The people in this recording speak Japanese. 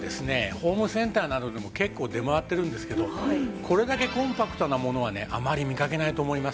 ホームセンターなどでも結構出回ってるんですけどこれだけコンパクトなものはねあまり見かけないと思います。